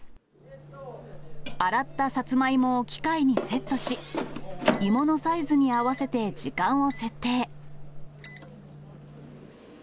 洗ったサツマイモを機械にセットし、芋のサイズに合わせて時間を設定。